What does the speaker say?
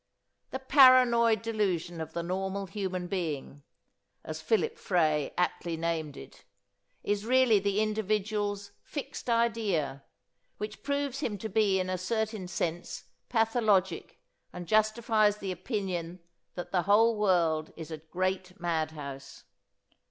"The paranoid delusion of the normal human being," as Philip Frey aptly named it, is really the individual's "fixed idea" which proves him to be in a certain sense pathologic and justifies the opinion that the whole world is a great madhouse.